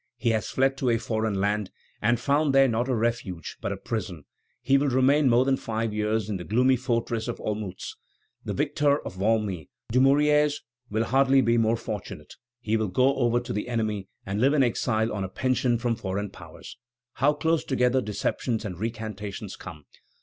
He has fled to a foreign land, and found there not a refuge, but a prison. He will remain more than five years in the gloomy fortress of Olmutz. The victor of Valmy, Dumouriez, will hardly be more fortunate. He will go over to the enemy, and live in exile on a pension from foreign powers. How close together deceptions and recantations come!